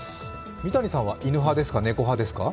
三谷さんは犬派ですか、猫派ですか？